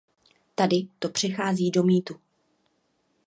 Tady to přechází do mýtu.